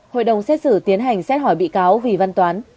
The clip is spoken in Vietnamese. hội đồng xét xử tiến hành xét hỏi bị cáo vì văn toán